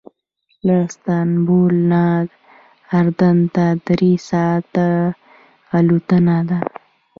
له استانبول نه اردن ته درې ساعته الوتنه ده.